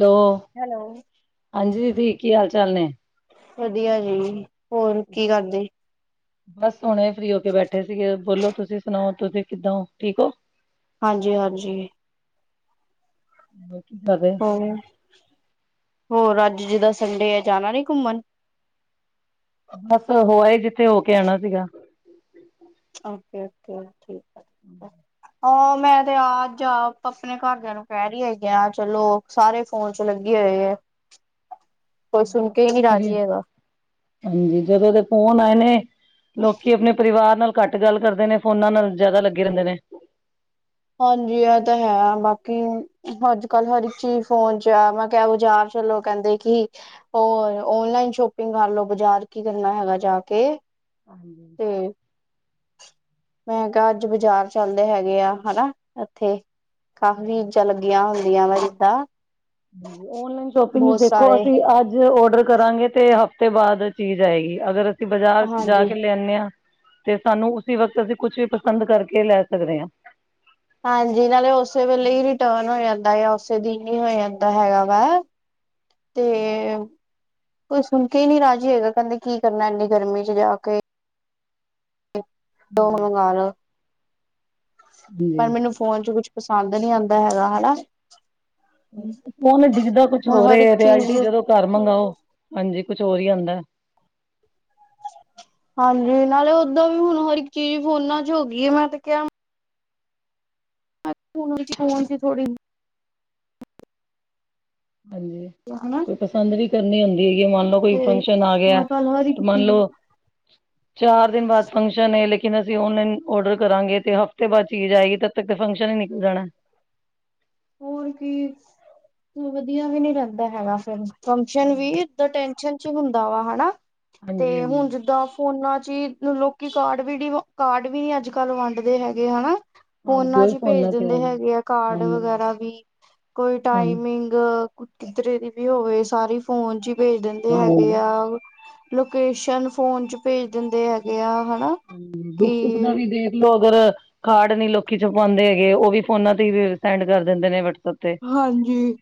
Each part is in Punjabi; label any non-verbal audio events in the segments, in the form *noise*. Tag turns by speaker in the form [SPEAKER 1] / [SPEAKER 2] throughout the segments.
[SPEAKER 1] ਹੈਲੋ
[SPEAKER 2] ਹੈਲੋ
[SPEAKER 1] ਹਾਂਜੀ ਦੀਦੀ ਕੀ ਹਾਲ-ਚਾਲ ਨੇ
[SPEAKER 2] ਵਦੀਆ ਜੀ, ਹੋਰ ਕੀ ਕਰਦੇ
[SPEAKER 1] *inaudible* ਬੱਸ ਹੁਣੇ ਫ੍ਰੀ ਹੋ ਕੇ ਬੈਠੇ ਸੀਗੇ ਬੋਲੋ ਤੁਸੀਂ ਸੁਨਾਓ, ਤੁਸੀਂ ਕਿੱਦਾਂ ਓ ਠੀਕ ਓਂ?
[SPEAKER 2] ਹਾਂਜੀ- ਹਾਂਜੀ।
[SPEAKER 1] *unintelligible*
[SPEAKER 2] ਹੰ ਹੋਰ ਅੱਜ ਜਿੱਦਾਂ ਸੰਡੇ ਐ, ਜਾਨਾ ਨੀ ਘੁੰਮਣ?
[SPEAKER 1] ਬੱਸ ਹੋ ਆਏ ਜਿੱਥੇ ਹੋ ਕੇ ਆਨਾ ਸੀਗਾ।
[SPEAKER 2] Okay- okay okay. ਹਾਂ, ਮੈਂ ਤੇ ਅੱਜ ਆਪ ਅਪਨੇ ਘਰਦਿਆਂ ਨੂੰ ਕਹਿ ਰਹੀ ਹੈਗੀ ਆਂ ਚੱਲੋ, ਸਾਰੇ ਫੋਨ ਚ ਲੱਗੇ ਹੋਏ ਐ। *inaudible*
[SPEAKER 1] ਹਨਜੀ ਜਦੋ ਦੇ ਫੋਨ ਆਏ ਨੇ ਲੋਕੀ ਅਪਨੇ ਪਰਿਵਾਰ ਨਾਲ ਘੱਟ ਗੱਲ ਕਰਦੇ ਨੇ ਫੋਨਾਂ ਨਾਲ ਜ਼ਿਆਦਾ ਲੱਗੇ ਰਹਿੰਦੇ ਨੇ।
[SPEAKER 2] ਹਾਂਜੀ, ਇਹ ਤਾਂ ਹੈ ਬਾਕੀ ਅੱਜ-ਕੱਲ੍ਹ ਹਰ ਇੱਕ ਚੀਜ਼ ਫੋਨ ਚ ਐ ਮੈਂ ਕਿਆ ਬਜ਼ਾਰ ਚੱਲੋ ਕਹਿੰਦੇ ਕਿ ਹੋਰ ਓਨਲਾਈਨ ਸ਼ੋਪਿੰਗ ਕਰ ਲੋ, ਬਾਜ਼ਾਰ ਕੀ ਕਰਨਾ ਹੈਗਾ ਜਾ ਕੇ
[SPEAKER 1] *inaudible*
[SPEAKER 2] ਤੇ ਮੈਂ ਕਿਆ ਅੱਜ ਬਾਜ਼ਾਰ ਚੱਲਦੇ ਹੈਗੇ ਆਂ ਹੈਨਾ। ਇੱਥੇ ਕਾਫ਼ੀ ਚੀਜ਼ਾਂ ਲੱਗੀਆਂ ਹੁੰਦੀਆਂ ਨੇ
[SPEAKER 1] ਓਨਲਾਈਨ ਸ਼ੋਪਿੰਗ ਦੇਖੋ ਅਸੀਂ ਅੱਜ ਓਡਰ ਕਰਾਂਗੇ। ਤੇ ਹਫ਼ਤੇ ਬਾਅਦ ਚੀਜ਼ ਆਏਗੀ, ਅਗਰ ਅਸੀਂ ਬਾਜ਼ਾਰ ਜਾ
[SPEAKER 2] ਹਾਂਜੀ
[SPEAKER 1] ਕੇ ਲੈਨੇ ਆ। ਤੇ ਸਾਨੂੰ ਉਸੀ ਵਕਤ ਅਸੀਂ ਕੁਛ ਵੀ ਪਸੰਦ ਕਰਕੇ ਲੈ ਸਕਦੇ ਆਂ।
[SPEAKER 2] ਹਾਂਜੀ ਨਾਲੇ ਉਸੇ ਵੇਲੇ ਰਿਟਰਨ ਹੋ ਜਾਂਦਾ ਆ ਉਸੇ ਦਿਨ ਈ ਹੋ ਜਾਂਦਾ ਹੈਗਾ ਵਾ। ਤੇ, ਕੋਈ ਸੁਣਕੇ ਨੀ ਰਾਜੀ ਹੈਗਾ ਕਹਿੰਦੇ ਕੀ ਕਰਨਾ ਇੰਨੀ ਗਰਮੀ ਚ ਜਾ ਕੇ। ਔਫ ਲੈਨ ਮੰਗਾ ਲਓ। ਪਰ
[SPEAKER 1] ਜੀ।
[SPEAKER 2] ਮੈਨੂੰ ਫੌਨ 'ਚ ਕੁਛ ਪਸੰਦ ਨੀ ਆਉਂਦਾ ਹੈਗਾ, ਹਨਾ।
[SPEAKER 1] ਫੋਨ ਚ ਡਿੱਗਦਾ ਕੁੱਛ
[SPEAKER 2] ਹੁਣ
[SPEAKER 1] ਹੋਰ ਐ
[SPEAKER 2] ਹਰ ਇੱਕ ਚੀਜ਼
[SPEAKER 1] ਰਿਐਲਟੀ ਜਦੋਂ ਘਰ ਮੰਗਵਾਓ ਹਾਂਜੀ ਕੁੱਛ ਹੋਰ ਹੀ ਆਉਂਦਾ।
[SPEAKER 2] ਹਾਂਜੀ ਨਾਲੇ ਓਦਾਂ ਵੀ ਹੁਣ ਹਰ ਇੱਕ ਚੀਜ਼ ਫੋਨਾਂ ਚ ਹੋ ਗਈ ਹੈ ਮੈਂ ਤੇ ਕਿਹਾ ਹੁਨ ਵਿੱਚ ਹੋੋਣ ਸੀ ਥੋੜੀ *unintelligible*
[SPEAKER 1] ਹਾਂਜੀ।
[SPEAKER 2] ਤੇ ਹਣਾ।
[SPEAKER 1] ਕੋਈ ਪਸੰਦ ਵੀ ਕਰਨੀ ਹੁੰਦੀ ਹੈਗੀ ਮੰਨ ਲਓ ਕੋਈ ਫੰਕਸ਼ਨ ਆ ਗਿਆ
[SPEAKER 2] ਮਤਲਬ ਹਰ ਇੱਕ
[SPEAKER 1] ਤੇ ਲੈ
[SPEAKER 2] ਚੀਜ਼
[SPEAKER 1] ਲਉ। ਚਾਰ ਦਿਨ ਬਾਅਦ ਫੰਕਸ਼ਨ ਏ ਲੇਕਿਨ ਅਸੀਂ ਔਨਲਾਈਨ ਔਡਰ ਕਰਾਂਗੇ ਤੇ ਹਫ਼ਤੇ ਬਾਅਦ ਚੀਜ਼ ਆਏਗੀ ਤਾਂ ਤੇ ਫੰਕਸ਼ਨ ਹੀ ਨਿਕਲ ਜਾਣਾ।
[SPEAKER 2] ਹੋਰ ਕੀ। ਵਧੀਆ ਵੀ ਨੀ ਲਗਦਾ ਹੈਗਾ ਫੇਰ, ਫੰਕਸ਼ਨ
[SPEAKER 1] ਹਾਂਜੀ
[SPEAKER 2] ਵੀ ਟੈਸ਼ਨ ਚ ਹੁੰਦਾ ਵਾ ਹਨਾ।
[SPEAKER 1] ਹਾਂਜੀ
[SPEAKER 2] ਤੇ ਹੁਣ ਜਿੱਦਾਂ ਫੋਨਾ ਚ ਹੀ ਲੋਕੀ ਕਾਰਡ ਵੀ ਡ ਕਾਰਡ ਵੀ ਨੀ ਅੱਜ ਕੱਲ ਵੰਡਦੇ ਹੈਗੇ ਹਨਾ।
[SPEAKER 1] ਹਾਂਜੀ
[SPEAKER 2] ਫੋਨਾ ਚ
[SPEAKER 1] ਉਹੀ
[SPEAKER 2] ਹੀ ਭੇਜ
[SPEAKER 1] ਫੋਨਾਂ ਤੇ ਆ
[SPEAKER 2] ਦਿੰਦੇ
[SPEAKER 1] ਗਈ।
[SPEAKER 2] ਹੈਗੇ ਕਾਰਡ
[SPEAKER 1] ਹਾਂਜੀ
[SPEAKER 2] ਵਗੈ- ਰਾ ਵੀ ਕੋਈ
[SPEAKER 1] ਹਾਂਜੀ
[SPEAKER 2] ਟਾਈਮਿੰਗ ਕਿੱਧਰੇ ਦੀ ਵੀ ਹੋਵੇ ਸਾਰੀ ਫੋਨ ਚ ਹੀ ਭੇਜ ਦਿੰਦੇ ਹੈਗੇ
[SPEAKER 1] ਹਾਂਜੀ
[SPEAKER 2] ਆ ਲੋਕੇਸ਼ਨ ਫੋਨ ਚ ਭੇਜ ਦਿੰਦੇ ਹੈਗੇ ਆ ਹਨਾ।
[SPEAKER 1] ਹਾਂਜੀ
[SPEAKER 2] ਕਿ
[SPEAKER 1] ਦੁੱਖ- ਸੁੱਖ ਦਾ ਵੀ ਦੇਖਲੋ ਅਗਰ ਕਾਡ ਨੀ ਲੋਕੀ ਛਪਾਂਨਦੇ ਹੈਗੇ ਉਹ ਵੀ ਫੋਨਾਂ ਤੇ ਸੈਂਡ ਕਰ ਦਿੰਦੇ ਨੇ ਵਟਸਐਪ ਤੇ।
[SPEAKER 2] ਹਾਂਜੀ-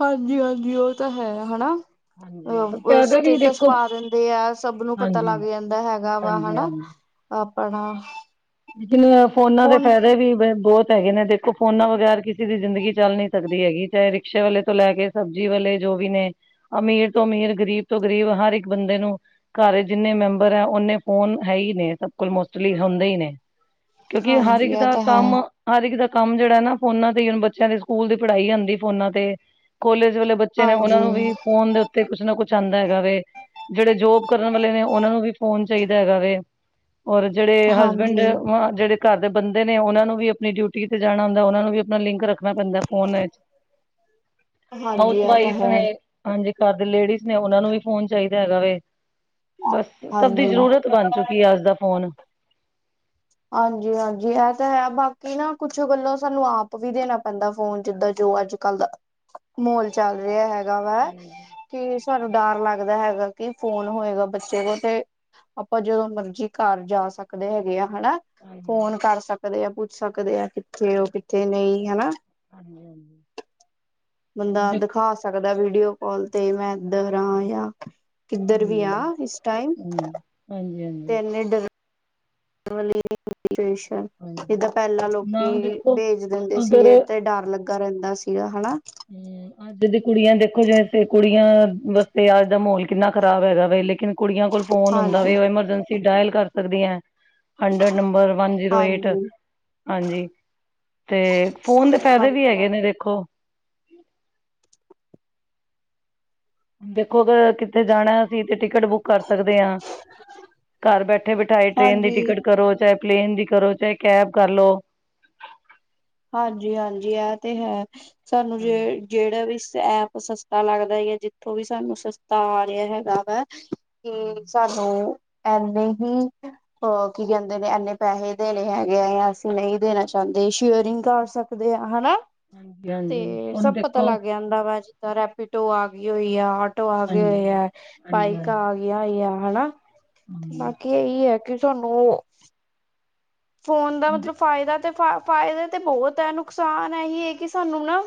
[SPEAKER 2] ਹਾਂਜੀ ਉਹ ਤਾਂ ਹੈ ਹਨਾ।
[SPEAKER 1] ਹਾਂਜੀ
[SPEAKER 2] ਓ
[SPEAKER 1] ਫਾਇਦਾ ਵੀ
[SPEAKER 2] ਸਟੇਟਸ ਪਾ
[SPEAKER 1] ਦੇਖੋ
[SPEAKER 2] ਦਿੰਦੇ ਆ ਸਭ ਨੂੰ ਪਤਾ
[SPEAKER 1] ਹਾਂਜੀ,
[SPEAKER 2] ਲੱਗ ਜਾਂਦਾ ਹੈਗਾ ਵਾ
[SPEAKER 1] ਹਾਂਜੀ,
[SPEAKER 2] ਹਨਾ।
[SPEAKER 1] ਹਾਂਜੀ।
[SPEAKER 2] ਆਪਣਾ।
[SPEAKER 1] ਲੇਕਿਨ ਫੋਨਾਂ ਦੇ
[SPEAKER 2] ਫੋਨ
[SPEAKER 1] ਫਾਇਦੇ ਵੀ ਬਹੁਤ ਹੈਗੇ ਨੇ ਦੇਖੋ ਫੋਨਾਂ ਬਗੈਰ ਕਿਸੇ ਦੀ ਜ਼ਿੰਦਗੀ ਚੱਲਣੀ ਸਕਦੀ ਹੈਗੀ ਚਾਹੇ ਰਿਕਸ਼ੇ ਵਾਲੇ ਤੋਂ ਲੈ ਕੇ ਸਬਜ਼ੀ ਵਾਲੇ ਜੋ ਵੀ ਨੇ। ਅਮੀਰ ਤੋਂ ਅਮੀਰ ਗ਼ਰੀਬ ਤੋਂ ਗ਼ਰੀਬ ਹਰ ਇੱਕ ਬੰਦੇ ਨੂੰ। ਘਰ ਜਿੰਨੇ ਮੈਂਬਰ ਹੈ ਓਨੇ ਫੋਨ ਹੈ ਹੀ ਨੇ ਸਭ ਕੋਲ ਮੋਸਟਲੀ ਹੁੰਦੇ ਹੀ ਨੇ। ਕਿਉਂਕਿ ਹਰ
[SPEAKER 2] ਹਾਂਜੀ
[SPEAKER 1] ਇੱਕ
[SPEAKER 2] ਇਹ
[SPEAKER 1] ਦਾ
[SPEAKER 2] ਤਾਂ ਹੈ
[SPEAKER 1] ਕੰਮ ਹਰ ਇੱਕ ਦਾ ਕੰਮ ਜਿਹੜਾ ਨਾ ਫੋਨਾ ਤੇ ਹੁਣ ਬੱਚਿਆਂ ਦੇ ਸਕੂਲ ਦੀ ਪੜਾਈ ਆਉਂਦੀ ਫੋਨਾ ਤੇ ਕੋਲੇਜ ਵੇਲੇ ਬੱਚ ਬੱਚੇ ਨੇ ਉਹਨਾਂ
[SPEAKER 2] ਹਾਂਜੀ
[SPEAKER 1] ਨੂੰ ਵੀ ਫੋਨ ਦੇ ਉੱਤੇ ਕੁੱਛ ਨਾ ਕੁੱਛ ਆਉਂਦਾ ਹੈਗਾ ਵੇ ਜਿਹੜੇ ਜੋਬ ਕਰਨ ਵਾਲੇ ਨੇ ਉਹਨਾਂ ਨੂੰ ਵੀ ਫੋਨ ਚਾਹੀਦਾ ਹੈਗਾ ਵੇ ਔਰ ਜਿਹੜੇ ਹਸਬੈਂਡ
[SPEAKER 2] ਹਾਂਜੀ
[SPEAKER 1] ਜਿਹੜੇ ਘਰ ਦੇ ਬੰਦੇ ਨੇ ਉਹਨਾਂ ਨੂੰ ਵੀ ਆਪਣੀ ਡਿਊਟੀ ਤੇ ਜਾਣਾ ਹੁੰਦਾ ਉਹਨਾਂ ਨੂੰ ਵੀ ਆਪਣਾ ਲਿੰਕ ਰੱਖ ਣਾ ਪੈਂਦਾ ਫੋਨ ਇਚ,
[SPEAKER 2] ਹਾਂਜੀ
[SPEAKER 1] ਹਾਊਸ
[SPEAKER 2] ਇਹ ਤਾਂ
[SPEAKER 1] ਵਾਈਫ
[SPEAKER 2] ਹੈ
[SPEAKER 1] ਨੇ ਹਾਂਜੀ ਘਰ ਦੇ ਲੇਡੀਜ਼ ਨੇ ਉਹਨਾਂ ਨੂੰ ਵੀ ਫੋਨ ਚਾਹੀਦਾ ਹੈਗਾ ਵੇ, ਬਸ। ਸਭ ਦੀ
[SPEAKER 2] ਹਾਂਜੀ
[SPEAKER 1] ਜ਼ਰੂਰਤ ਬਣ ਚੁੱਕੀ ਹੈ ਅੱਜ ਦਾ ਫੋਨ।
[SPEAKER 2] ਹਾਂਜੀ- ਹਾਂਜੀ ਇਹ ਤਾਂ ਹੈ ਬਾਕੀ ਨਾ ਕੁੱਛ ਗੱਲੋਂ ਸਾਨੂੰ ਆਪ ਵੀ ਦੇਣਾ ਪੈਂਦਾ ਫੋਨ ਚ ਜਿੱਦਾਂ ਜੋ ਅੱਜ ਕੱਲ ਦਾ, ਮਾਹੋਲ ਚੱਲ ਰਿਹਾ ਹੈਗਾ ਵਾ। ਫੇਰ ਸਾਨੂੰ ਡਰ ਲੱਗਦਾ ਹੈਗਾ ਕਿ ਫੋਨ ਹੋਏਗਾ ਬੱਚੇ ਦੇ ਤੇ ਆਪਾਂ ਜਦੋਂ ਮਰਜ਼ੀ ਘਰ ਜਾ ਸਕਦੇ ਹੈਗੇ ਆ, ਹਨਾ।
[SPEAKER 1] ਹਾਂਜੀ
[SPEAKER 2] ਫੋਨ ਕਰ ਸਕਦੇ ਆ ਪੁੱਛ ਸਕਦੇ ਆ ਕਿੱਥੇ ਐ ਕਿੱਥੇ ਨਹੀਂ, ਹਨਾਂ।
[SPEAKER 1] ਹਾਂਜੀ ਹਾਂਜੀ
[SPEAKER 2] *inaudible* ਬੰਦਾ
[SPEAKER 1] ਦੇਖੋ
[SPEAKER 2] ਦਿਖਾ ਸਕਦਾ ਵੀਡੀਓ ਕਾਲ ਤੇ ਮੈਂ ਇੱਧਰ ਆ ਜਾਂ ਕਿੱਧਰ ਵੀ
[SPEAKER 1] ਹਾਂਜੀ
[SPEAKER 2] ਆ ਇਸ ਟਾਈਮ।
[SPEAKER 1] ਹਾਂਜੀ ਹਾਂਜੀ- ਹਾਂਜੀ।
[SPEAKER 2] ਤੇ ਇਨੇ ਡਰਨ ਵਾਲੇ ਪੇਸ਼ਂਟ
[SPEAKER 1] ਹਾਂਜੀ
[SPEAKER 2] ਜਿੱਦਾਂ ਪਹਿਲਾਂ
[SPEAKER 1] ਨਾ
[SPEAKER 2] ਲੋਕੀ
[SPEAKER 1] ਦੇਖੋ
[SPEAKER 2] ਭੇਜ ਦਿੰਦੇ ਸੀਗੇ
[SPEAKER 1] ਅਗਰ
[SPEAKER 2] ਤੇ ਡਰ ਲੱਗਾ ਰਹਿੰਦਾ ਸੀਗਾ ਹਨਾ।
[SPEAKER 1] ਹੂੰ ਅੱਜ ਦੀ ਕੁੜੀਆਂ ਦੇਖੋ ਜਿਵੇਂ ਕੁੜੀਆਂ ਵਾਸਤੇ ਅੱਜ ਦਾ ਮਾਹੌਲ ਕਿੰਨਾ ਖ਼ਰਾਬ ਹੈਗਾ ਵੇ ਲੇਕਿਨ ਕੁੜੀਆਂ ਕੋਲ ਫੋਨ ਹੁੰਦਾ
[SPEAKER 2] ਹਾਂਜੀ
[SPEAKER 1] ਵੇ ਉਹ ਐਮਰਜੈਂਸੀ ਡਾਇਲ ਕਰ ਸਕਦੀਆਂ। Hundred number, one zero eight
[SPEAKER 2] ਹਾਂਜੀ
[SPEAKER 1] ਹਾਂਜੀ। ਤੇ ਫੋਨ ਦੇ ਫਾਇਦੇ ਵੀ ਹੈਗੇ ਨੇ ਦੇਖੋ? *inaudible* ਦੇਖੋ ਅਗਰ ਕਿੱਥੇ ਜਾਣਾ ਅਸੀ ਤੇ ਟਿਕਟ ਬੁੱਕ ਕਰ ਸਕਦੇ ਹਾਂ। ਘਰ ਬੈਠੇ-ਬਿਠਾਏ ਟ੍ਰੇਨ ਦੀ
[SPEAKER 2] ਹਾਂਜੀ
[SPEAKER 1] ਟਿਕਟ ਕਰੋ। ਚਾਹੇ ਪਲੇਨ ਦੀ ਕਰੋ। ਚਾਹੇ ਕੈਬ ਕਰ ਲਓ।
[SPEAKER 2] ਹਾਂਜੀ-ਹਾਂਜੀ ਇਹ ਤੇ ਹੈ। ਸਾਨੂੰ ਜੇ ਜਿਹੜਾ ਵੀ ਐਪ ਸਸਤਾ ਲੱਗਦਾ ਹੈ ਜਾਂ ਜਿੱਥੋਂ ਵੀ ਸਾਨੂੰ ਸਸਤਾ ਆ ਰਿਹਾ ਹੈਗਾ ਵਾ ਕਿ
[SPEAKER 1] ਹਾਂਜੀ
[SPEAKER 2] ਸਾਨੂੰ ਇੰਨੇ ਹੀ ਅ ਕੀ ਕਹਿੰਦੇ ਨੇ ਇੰਨੇ ਪੈਸੇ ਦੇਣੇ ਹੈਗੇ। ਜਾ ਅਸੀਂ ਨਹੀਂ ਦੇਣਾ ਚਾਹੁੰਦੇ। ਸ਼ੇਅਰਿੰਗ ਕਰ ਸਕਦੇ ਆ ਹਨਾ
[SPEAKER 1] ਹਾਂਜੀ ਹਾਂਜੀ
[SPEAKER 2] ਤੇ
[SPEAKER 1] ਹੁਣ
[SPEAKER 2] ਸਭ ਪਤਾ
[SPEAKER 1] ਦੇਖੋ
[SPEAKER 2] ਲੱਗ ਜਾਂਦਾ ਵਾ ਜੀ ਰੈਪੀਡੋ ਆ ਗਈ ਹੋਈ ਹੈ, ਆਟੋ ਆ ਗਏ ਹੋਏ
[SPEAKER 1] ਹਾਂਜੀ
[SPEAKER 2] ਆ,
[SPEAKER 1] ਹਾਂਜੀ
[SPEAKER 2] ਬਾਈਕ
[SPEAKER 1] ਹਾਂਜੀ
[SPEAKER 2] ਆ ਗਈ। ਵਧੀਆ ਹੀ ਆ ਹਨਾ। ਤੇ
[SPEAKER 1] ਹਾਂਜੀ
[SPEAKER 2] ਬਾਕੀ ਇਹੀ ਹੈ ਕਿ ਤੁਹਾਨੂੰ ਓ ਫੋਨ ਦਾ ਮਤਲਬ ਫਾਇਦਾ ਤੇ ਫ ਫਾਇਦਾ ਤੇ ਬਹੁਤ ਹੈ। ਨੁਕਸਾਨ ਇਹੀ ਹੈ ਕਿ ਸਾਨੂੰ ਨਾ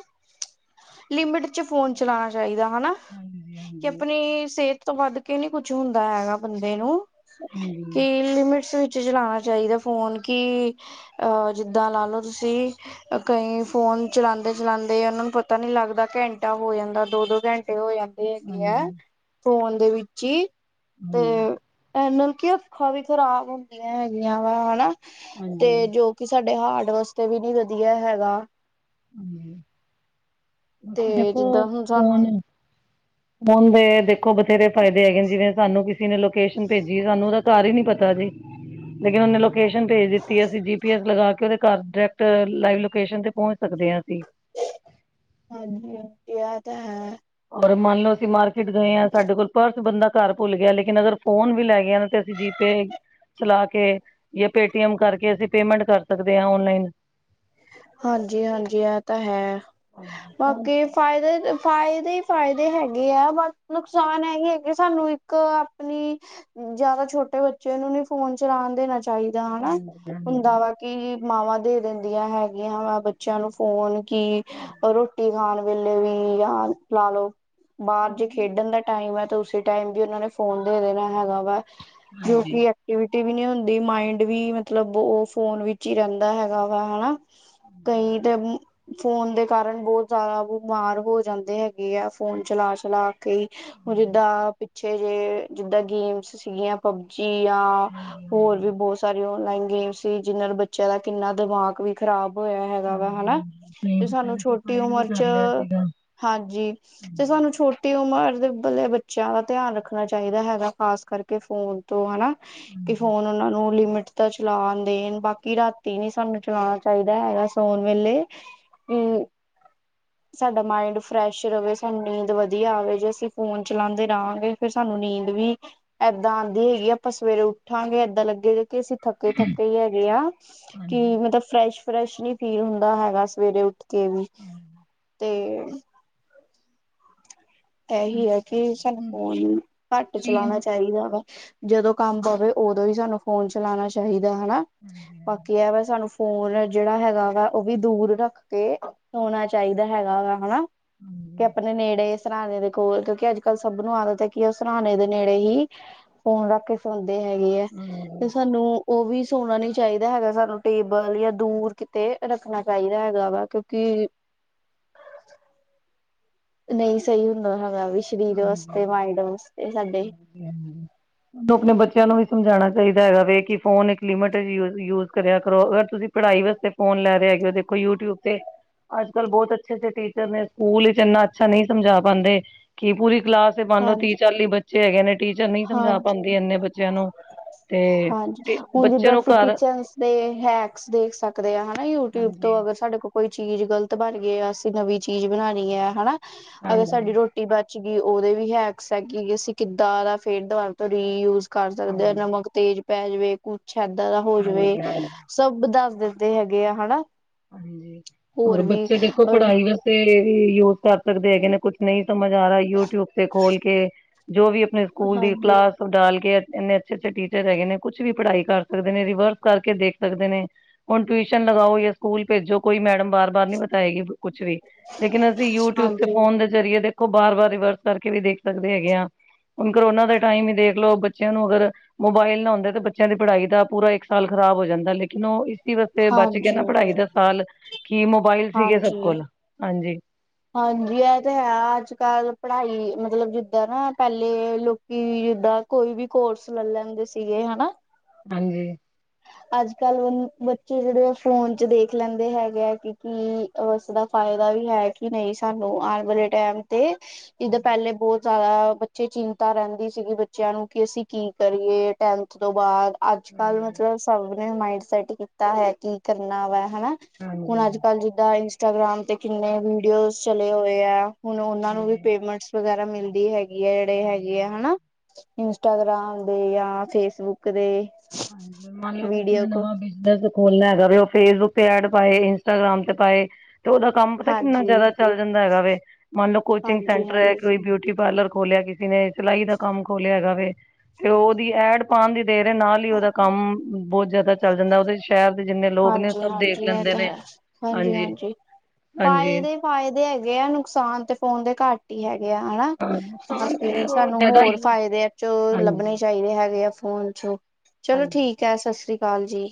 [SPEAKER 2] ਲਿਮਿਟ ਚ ਫੋਨ ਚਲਾਉਣਾ ਚਾਹੀਦਾ ਹੈ ਨਾ।
[SPEAKER 1] ਹਾਂਜੀ
[SPEAKER 2] ਕਿ ਆਪਣੀ ਸਿਹਤ ਤੋਂ ਵੱਧ ਕੇ ਨੀ ਕੁਛ ਹੁੰਦਾ ਹੈਗਾ ਬੰਦੇ ਨੂੰ
[SPEAKER 1] ਹਾਂਜੀ
[SPEAKER 2] ਕੀ
[SPEAKER 1] ਹਾਂਜੀ
[SPEAKER 2] ਲਿਮਿਟਸ ਵਿੱਚ ਚਲਾਣਾ ਚਾਹੀਦਾ। ਫੋਨ ਕਿ ਅਹ ਜਿੱਦਾਂ ਲਾ ਲੋੋ ਤੁਸੀਂ ਕਈ ਫੋਨ ਚਲਾਉਦੇ-ਚਲਾਉਦੇ ਉਹਨਾਂ ਨੂੰ ਪਤਾ ਨੀ ਲੱਗਦਾ ਘੰਟਾ ਹੋ ਜਾਂਦਾ ਦੋ-ਦੋ ਘੰਟੇ ਹੋ ਜਾਂਦੇ। ਹੈਗੇ ਹੈ।
[SPEAKER 1] ਹਾਂਜੀ
[SPEAKER 2] ਫੋਨ ਦੇ ਵਿੱਚ ਹੀ ਤੇ
[SPEAKER 1] ਹਮ
[SPEAKER 2] ਇਹਦੇ ਨਾਲ ਕੀ ਅੱਖਾਂ ਵੀ ਖ਼ਰਾਬ ਹੁੰਦੀਆਂ ਹੈਗੀਆਂ ਵਾ ਹਨਾ ਤੇ
[SPEAKER 1] ਹਾਂਜੀ
[SPEAKER 2] ਜੋ ਕਿ ਸਾਡੇ ਹਾਰਟ ਵਾਸਤੇ ਵੀ ਨੀ ਵਧੀਆ ਹੈਗਾ।
[SPEAKER 1] *unintelligible*
[SPEAKER 2] ਤੇ
[SPEAKER 1] ਦੇਖੋ
[SPEAKER 2] ਜਿੱਦਾਂ ਹੁਣ ਸਾਨੂੰ
[SPEAKER 1] ਫੋਨ ਫੋਨ ਦੇ ਦੇਖੋ ਬਥੇਰੇ ਫਾਇਦੇ ਹੈਗੇ। ਜਿਵੇਂ ਸਾਨੂੰ ਕਿਸੇ ਨੇ ਲੋਕੇਸ਼ਨ ਭੇਜੀ। ਸਾਨੂੰ ਉਹਦਾ ਘਰ ਹੀ ਨੀ ਪਤਾ ਜੀ ਲੇਕਿਨ ਉਹਨੇ ਲੋਕੇਸ਼ਨ ਭੇਜ ਦਿੱਤੀ। ਅਸੀਂ ਜੀ ਪੀ ਐਸ ਲਗਾ ਕੇ ਉਹਦੇ ਘਰ ਡਾਇਰੈਕਟ ਲਾਈਵ ਲੋਕੇਸ਼ਨ ਤੇ ਪਹੁੰਚ ਸਕਦੇ ਹਾਂ ਅਸੀਂ
[SPEAKER 2] ਹਾਂਜੀ ਹੁਣ ਕਿਆ ਤਾਂ ਹੈ।
[SPEAKER 1] ਔਰ ਮੰਨ ਲਓ ਅਸੀਂ ਮਾਰਕੀਟ ਗਏ ਆ। ਸਾਡੇ ਕੋਲ ਪਰਸ ਬੰਦਾ ਘਰ ਭੁੱਲ ਗਿਆ। ਲੇਕਿਨ ਅਗਰ ਫੋਨ ਵੀ ਲੈ ਗਿਆ। ਨਾ ਤੇ ਅਸੀਂ ਜੀ ਪੇ ਚਲਾ ਕੇ ਜਾਂ ਪੇ ਟੀ ਐਮ ਕਰਕੇ ਅਸੀਂ ਪੇਮੈਂਟ ਕਰ ਸਕਦੇ ਹਾਂ। ਔਨਲਾਈਨ
[SPEAKER 2] ਹਾਂਜੀ-ਹਾਂਜੀ ਇਹ ਤਾਂ ਹੈ। ਬਾਕੀ ਫਾਇਦੇ-ਫਾਇਦੇ ਹੀ ਫਾਇਦੇ ਹੈਗੇ ਆ ਬਟ ਨੁਕਸਾਨ ਇਹੀ ਹੈ ਕਿ ਸਾਨੂੰ ਇੱਕ ਆਪਣੀ ਜਿਆਦਾ ਛੋਟੇ ਬੱਚੇ ਨੂੰ ਨੀ ਫੋਨ ਚਲਾਉਣ ਦੇਨਾ ਚਾਹੀਦਾ ਹਨਾ ਹੁੰਦਾ ਵਾ ਕਿ ਮਾਵਾਂ ਦੇ ਦਿੰਦੀਆਂ ਹੈ ਵਾ ਬੱਚਿਆਂ ਨੂੰ ਫੋਨ ਕਿ ਰੋਟੀ ਖਾਣ ਵੇਲੇ ਵੀ ਜਾਂ ਲਾ-ਲੋ। ਬਾਹਰ ਜੇ ਖੇਡਣ ਦਾ ਟਾਈਮ ਹੈ। ਤਾਂ ਉਸੇ ਟਾਈਮ ਵੀ ਉਹਨਾ ਨੇ ਫੋਨ ਦੇ ਦੇਣਾ ਹੈਗਾ ਵਾ ਯੂ
[SPEAKER 1] ਹਾਂਜੀ
[SPEAKER 2] ਪੀ ਆ ਯੂਨਟੀ ਵੀ ਨੀ ਹੁੰਦੀ ਮਾਇੰਡ ਵੀ ਮਤਲਬ ਓ ਫੋਨ ਵਿੱਚ ਈ ਰੈਂਦਾ ਹੈਗਾ ਵਾ ਹਨਾ। ਕਈਂ ਤਮ ਫੋਨ ਦੇ ਕਾਰਨ ਬਹੁ ਜਾਦਾ ਬਿਮਾਰ ਹੋ ਜਾਂਦੇ ਹੈਗੇ ਆ ਫੋਨ ਚਲਾ-ਚਲਾ ਕੇ ਈ ਹੁਨ ਜਿੱਦਾਂ ਪਿੱਛੇ ਜੇ ਜਿੱਦਾਂ ਗੇਮਸ ਸੀਗੀਆਂ ਪਬਜੀ ਆ
[SPEAKER 1] ਹਾਂਜੀ
[SPEAKER 2] ਹੋਰ
[SPEAKER 1] ਹਾਂਜੀ
[SPEAKER 2] ਵੀ ਬੋਤ ਸਾ ਸਾਰੀ ਔਨਲਾਈਨ ਗੇਮ ਸੀ ਜਿਨਾਂ ਨਾਲ ਬੱਚੇਆਂ ਦਾ ਕਿੰਨਾ ਦਮਾਗ ਵੀ ਖ਼ਰਾਬ ਹੋਇਆ ਹੈਗਾ ਵਾ
[SPEAKER 1] ਹਾਂਜੀ
[SPEAKER 2] ਹਨਾ।
[SPEAKER 1] ਹਾਂਜੀ ਨਹੀਂ
[SPEAKER 2] ਤੇ ਸਾਨੂੰ
[SPEAKER 1] ਪਹਿਲੇ
[SPEAKER 2] ਛੋਟੀ
[SPEAKER 1] ਸੁਸਾਈਡ ਵੀ
[SPEAKER 2] ਉਮਰ ਚ,
[SPEAKER 1] ਕਰ ਲਿਆ ਸੀਗਾ
[SPEAKER 2] ਹਾਂਜੀ ਤੇ ਸਾਨੂੰ ਛੋ ਟੀ ਉਮਰ ਦੇ ਮਤਲਬ ਬੱਚੇਆਂ ਦਾ ਧਿਆਨ ਰੱਖਨਾ ਚਾਈਦਾ ਹੈਗਾ ਖਾਸ ਕਰਕੇ ਫੋਨ ਤੋਂ ਹਨਾ ਕੀ ਫੋਨ ਓਨਾ ਨੂੰ ਲਿਮਿਟ ਦਾ ਚਲਾਨ ਦੇਨ ਬਾਕੀ ਰਾਤੀ ਨੀ ਸਾਨੂੰ ਚਲਾਨਾ ਚਾਈਦਾ ਹੈਗਾ ਸੋਨ ਵੇਲੇ
[SPEAKER 1] *inaudible*
[SPEAKER 2] ਸਾਡਾ ਮਾਇੰਡ ਫਰੈਸ਼ ਰਵੇ ਸਾਨੂੰ ਨੀਂਦ ਵਦੀਆ ਆਵੇ ਜੇ ਅਸੀਂ ਫੋਨ ਚਲਾਂਦੇ ਰਵਾਂਗੇ ਫਿਰ ਸਾਨੂੰ ਨੀਂਦ ਵੀ ਐਦਾ ਆਂਦੀ ਹੈਗੀ ਆਪਾਂ ਸਵੇਰੇ ਉਠਾਂਗੇ ਐਦਾਂ ਲੱਗੇਗਾ ਕੀ ਅਸੀਂ ਥੱਕੇ-ਥੱਕੇ ਈ ਹੈਗੇ ਆਂ ਕੀ ਮਤਲਬ ਫਰੈਸ਼-ਫਰੈਸ਼ ਨੀ ਫੀਲ ਹੁੰਦਾ ਹੈਗਾ ਸਵੇਰੇ ਉੱਠ ਕੇ ਵੀ, ਤੇ ਐਹੀ ਐ ਕੀ ਸਾਨੂੰ ਫੋਨ ਘੱਟ ਚਲਾਨਾ ਚਾਈਦਾ ਵਾ। ਜਦੋਂ ਕੰਮ ਪਵੇ ਓਦੋਂ ਈ ਸਾਨੂੰ ਫੋਨ ਚਲਾਨਾ ਚਾਹੀਦਾ ਹਨਾ, ਬਾਕੀ ਐ ਵਾ ਸਾਨੂੰ ਫੋਨ ਜੇੜਾ ਹੈਗਾ ਵਾ ਓ ਵੀ ਦੂਰ ਰੱਖ ਕੇ ਹੋਨਾ ਚਾਈਦਾ ਹੈਗਾ ਵਾ ਹਨਾ। ਕੇ ਆਪਨੇ ਨੇੜੇ ਸਰਾਨੇ ਦੇ ਕੋਲ ਕਿਓਂਕਿ ਅੱਜ-ਕੱਲ ਸਬ ਨੂੰ ਆਦਤ ਐ ਕੀ ਓ ਸਰਾਨੇ ਦੇ ਨੇੜੇ ਹੀ ਫੋਨ ਰੱਖ ਕੇ ਸੋਂਦੇ ਹੈਗੇ ਆ, ਤੇ ਸਾਨੂੰ ਓ ਵੀ ਸੋਨਾ ਨੀ ਚਾਈਦਾ ਹੈਗਾ ਸਾਨੂੰ ਟੇਬਲ ਜਾਂ ਦੂਰ ਕਿਤੇ ਰੱਖਨਾ ਚਾਈਦਾ ਹੈਗਾ ਵਾ ਕਿਓਂਕਿ ਨਈਂ ਸਈ ਹੁੰਦਾ ਹੈਗਾ ਵੀ ਸਰੀਰ ਵਾਸਤੇ ਮਾਇੰਡ ਵਾਸਤੇ ਸਾਡੇ।
[SPEAKER 1] ਪਿਆਨੋ ਤੁੂੰ ਆਪਨੇ ਬੱਚੇਆਂ ਨੂੰ ਵੀ ਸਮਝਾਨਾ ਚਾਈਦਾ ਹੈਗਾ ਵੀ ਕੀ ਫੋਨ ਇੱਕ ਲਿਮਿਟ ਚ ਯੂ ਯੂਜ ਕਰਿਆ ਕਰੋ ਅਗਰ ਤੁਸੀਂ ਪੜ੍ਹਾਈ ਵਾਸਤੇ ਫੋਨ ਲੈ ਰਏ ਹੈਗੇ ਓ ਦੇਖੋ ਯੂਟਿਊਬ ਤੇ ਅੱਜ-ਕੱਲ ਬੋਤ ਅੱਛੇ-ਅੱਛੇ ਟੀਚਰ ਨੇ ਸਕੂਲ ਵਿੱਚ ਏਨਾ ਅੱਛਾ ਨਈ ਸਮਝਾ ਪਾਂਦੇ। ਕੀ ਪੂਰੀ ਕਲਾਸ ਦੇ ਮੰਨ ਲੋ
[SPEAKER 2] ਹਾਂਜੀ
[SPEAKER 1] ਤੀ-ਚਾਲੀ ਬੱਚੇ ਹੈਗੇ ਨੇ ਟੀਚਰ ਨਈ ਸਮਝਾ
[SPEAKER 2] ਹਾਂਜੀ
[SPEAKER 1] ਪਾਂਦੀ ਏਨੇ ਬੱਚਿਆਂ ਨੂੰ। ਤੇ
[SPEAKER 2] ਹਾਂਜੀ, ਹੁਨ
[SPEAKER 1] ਬੱਚੇ
[SPEAKER 2] ਜਿੱਦਾਂ
[SPEAKER 1] ਨੂੰ
[SPEAKER 2] ਅਸੀਂ
[SPEAKER 1] ਘਰ
[SPEAKER 2] ਕਿਚਨਜ ਦੇ ਹੈਕਸ ਦੇਖ ਸਕਦੇ ਆਂ ਹਨਾ ਯੂ ਟਿਊਬ ਤੋਂ ਅਗਰ ਸਾਡੇ ਕੋਲ ਕੋਈ ਚੀਜ਼ ਗ਼ਲਤ ਬਨਗੀ ਐ ਅਸੀਂ ਨਵੀਂ ਚੀਜ਼ ਬਨਾਨੀ ਐ ਹਨਾ, ਅਗਰ ਸਾਡੀ ਰੋ ਟੀ ਬਚ ਗੀ ਓਦੇ ਵੀ ਹੈਕਸ ਐ ਕੀ ਅਸੀਂ ਕਿੱਦਾਂ ਫੇਰ ਦੁਬਾਰਾ ਤੋਂ ਰੀ ਯੂਜ਼ ਕਰ ਸਕਦੇ ਆਂ ਨਮਕ ਤੇਜ਼ ਪੈ ਜਾਵੇ, ਕੁਛ ਐਦਾਂ ਦਾ ਹੋ ਜਾਵੇ। ਸਬ ਦੱਸ ਦਿੱਤੇ ਹੈਗੇ ਆ ਹਨਾ।
[SPEAKER 1] ਹਾਂਜੀ, ਹੋਰ
[SPEAKER 2] ਵੀ
[SPEAKER 1] ਬੱਚੇ ਦੇਖੋ
[SPEAKER 2] ਅ
[SPEAKER 1] ਪੜ੍ਹਾਈ ਵਾਸਤੇ ਯੂਜ ਕਰ ਸਕਦੇ ਹੈਗੇ ਨੇ ਕੁਛ। ਨਈਂ ਸਮਝ ਆ ਰਿਆ ਯੂਟਿਊਬ ਤੇ ਖੋਲ ਕੇ, ਜੋ ਵੀ ਆਪਨੇ ਸਕੂਲ ਦੀ
[SPEAKER 2] ਹਾਂਜੀ
[SPEAKER 1] ਕਲਾਸ ਡਾਲ ਕੇ ਐਨੇ ਅੱਛੇ-ਅੱਛੇ ਟੀਚਰ ਹੈਗੇ ਨੇ ਕੁਛ ਵੀ ਪੜ੍ਹਾਈ ਕਰ ਸਕਦੇ ਨੇ ਰਿਵਰਸ ਕਰਕੇ ਦੇਖ ਸਕਦੇ ਨੇ। ਹੁਨ ਟਵੀਸ਼ਨ ਲਗਾਓ ਜਾ ਸਕੂਲ ਭੇਜੋ ਕੋਈ ਮੈਡਮ ਬਾਰ-ਬਾਰ ਨੀ ਬਤਾਏਗੀ ਕੋਈ ਕੁਛ ਵੀ, ਲੇਕਿਨ ਅਸੀਂ ਯੂਟਿਊਬ ਤੇ
[SPEAKER 2] ਹਾਂਜੀ
[SPEAKER 1] ਫੋਨ ਦੇ ਜ਼ਰੀਏ ਦੇਖੋ ਬਾਰ-ਬਾਰ ਰਿਵਰਸ ਕਰਕੇ ਵੀ ਦੇਖ ਸਕਦੇ ਹੈਗੇ ਆਂ, ਹੁਨ ਕਰੋਨਾ ਦੇ ਟਾਈਮ ਈ ਦੇਖ ਲੋ ਬੱ ਬੱਚੇਆਂ ਨੂੰ ਅਗਰ ਮੋਬਾਇਲ ਨਾ ਹੁੰਦਾ ਤਾਂ ਬੱਚੇਆਂ ਦੀ ਪੜ੍ਹਾਈ ਦਾ ਪੂਰਾ ਇੱਕ ਸਾਲ ਖ਼ਰਾਬ ਹੋ ਜਾਂਦਾ ਲੇਕਿਨ ਓ ਵਾਸਤੇ ਬੱਚ ਗੇਆ
[SPEAKER 2] ਹਾਂਜੀ
[SPEAKER 1] ਨਾ ਪੜ੍ਹਾਈ ਦਾ ਸਾਲ, ਕੀ ਮੋਬਾਈਲ ਸੀਗੇ ਸਬ
[SPEAKER 2] ਹਾਂਜੀ
[SPEAKER 1] ਕੋਲ ਹਾਂਜੀ।
[SPEAKER 2] ਹਾਂਜੀ ਐ ਤੇ ਹੈ, ਅੱਜ-ਕੱਲ ਪੜਾਈ ਮਤਲਬ ਜਿੱਦਾਂ ਨਾ ਪੈਲੇ ਲੋ ਕੀ ਜਿੱਦਾਂ ਕੋਈ ਵੀ ਕੋਰਸ ਲੈ ਲੈਂਦੇ ਸੀਗੇ ਹਨਾ।
[SPEAKER 1] ਹਾਂਜੀ।
[SPEAKER 2] ਅੱਜ-ਕੱਲ ਬੱਚੇ ਜਿਹੜੇ ਆ ਫੋਨ ਚ ਦੇਖ ਲੈਂਦੇ ਹੈਗੇ ਕਿ ਉਸਦਾ ਫਾਇਦਾ ਵੀ ਹੈ ਕਿ ਨਹੀਂ ਸਾਨੂੰ ਆਉਣ ਵਾਲੇ ਟਾਈਮ ਤੇ ਜਿੱਦਾਂ ਪਹਿਲੇ ਬਹੁਤ ਜਿਆਦਾ ਬੱਚੇ ਚਿੰਤਾ ਰਹਿੰਦੀ ਸੀਗੀ ਬੱਚਿਆਂ ਨੂੰ ਕਿ ਅਸੀਂ ਕੀ ਕਰੀਏ ਟੈਨਥ ਤੋਂ ਬਾਅਦ ਅੱਜ-ਕੱਲ ਵਿੱਚ ਮਾਇਡ ਸੈਟ ਕੀਤਾ ਹੈ ਕੀ ਕਰਨਾ ਵਾ ਹਨਾ ਹੁਣ ਅੱਜ -ਕੱਲ ਜਿੱਦਾਂ ਇੰਸਟਾਗ੍ਰਾਮ ਤੇ ਕਿੰਨੇ ਵੀਡੀਓਜ਼ ਚਲੇ ਹੋਏ ਹੈ ਹੁਣ ਉਹਨਾਂ ਨੂੰ ਵੀ ਪੇਮੈਂਟਸ ਵਗੈਰਾ ਮਿਲਦੀ ਹੈਗੀ ਆ ਜਿਹੜੇ ਹੈਗੇ ਆ ਹਨਾ ਇੰਸਟਾਗ੍ਰਾਮ ਦੇ ਜਾਂ ਫੇਸਬੁੱਕ ਦੇ।
[SPEAKER 1] ਹਾਂਜੀ, ਮੰਨ ਲਓ, ਕਿਸੀ
[SPEAKER 2] ਵੀਡੀਓ
[SPEAKER 1] ਕੋਈ
[SPEAKER 2] ਕੋ
[SPEAKER 1] ਨਵਾਂ ਬੀ ਜਨਸ ਖੋਲਾ ਹੈਗਾ ਵੇ ਉ ਫੇਸਬੁੱਕ ਤੇ ਐਡ ਪਾਏ, ਇੰਸਟਾਗ੍ਰਾਮ ਤੇ ਪਾਏ। ਤੇ ਉਦਾ ਕੰਮ ਪਤਾ ਕਿੰਨਾ
[SPEAKER 2] ਹਾਂਜੀ
[SPEAKER 1] ਜਿਆਦਾ ਚੱਲ ਜਾਂਦਾ ਹੈਗਾ ਵੇ। ਮੰਨ ਲੋ, ਕੋਚਿੰਗ
[SPEAKER 2] ਹਾਂਜੀ
[SPEAKER 1] ਸੈਂਟਰ ਹੈ,
[SPEAKER 2] ਹਾਂਜੀ
[SPEAKER 1] ਕੋਈ ਬਿਊਟੀ ਪਾਰਲਰ ਖੋਲਿਆ ਕਿਸ ਨੇ ਸਿਲਾਈ ਦਾ ਕੰਮ ਖੋਲਿਆ ਹੈਗਾ ਵੇ ਤੇ ਉਹਦੀ ਐਡ ਪਾਉਣ ਦੀ ਦੇਰ ਐ ਨਾਲ ਕਦਾ ਕੰਮ ਬਹੁਤ ਜਿਆਦਾ ਚੱਲ ਜਾਂਦਾ, ਉਹਦੇ ਸ਼ਹਿਰ ਦੇ ਜਿੰਨੇ ਲੋਕ ਨੇ ਉਹ ਸਭ ਦੇਖ ਲੈਂਦੇ ਨੇ। ਹਾਂਜੀ
[SPEAKER 2] ਹਾਂਜੀ-ਹਾਂਜੀ।
[SPEAKER 1] ਹਾਂਜੀ।
[SPEAKER 2] ਫ਼ਾਇਦੇ ਹੈਗੇ ਆ, ਨੁਕਸਾਨ ਤੇ ਫੋਨ ਦੇ ਘੱਟ ਹੀ ਹੈਗੇ ਆ ਹਨਾ। ਬਾਕੀ ਸਾਨੂੰ ਹੋਰ ਫਾਇਦੇ ਏਸ ਚੋ ਲੱਭਣੇ
[SPEAKER 1] ਹਾਂਜੀ
[SPEAKER 2] ਚਾਹੀਦੇ ਹੈਗੇ ਆ ਫੋਨ ਚੋ। ਚਲੋ ਠੀਕ ਹੈ, ਸਤਿ ਸ੍ਰੀ ਅਕਾਲ ਜੀ।